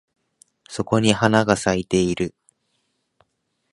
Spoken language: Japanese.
そこに花が咲いてる